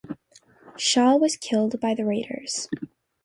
Schaw was killed by the raiders.